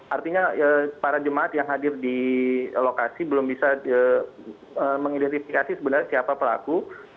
artinya para jemaat yang hadir di lokasi belum bisa mengidentifikasi sebenarnya siapa pelaku